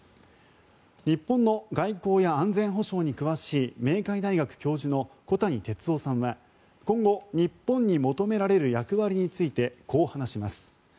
日本の外交や安全保障に詳しい明海大学教授の小谷哲男さんは今後、日本に求められる役割についてこう話します。